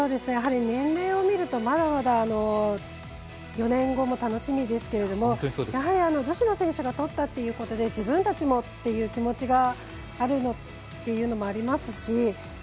年齢を見るとまだまだ４年後も楽しみですけれどもやはり、女子の選手がとったということで自分たちもという気持ちがあるっていうのもありますし。